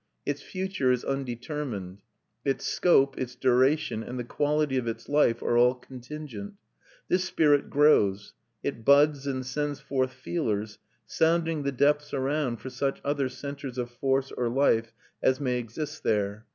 Its future is undetermined. Its scope, its duration, and the quality of its life are all contingent. This spirit grows; it buds and sends forth feelers, sounding the depths around for such other centres of force or life as may exist there.